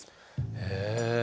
へえ。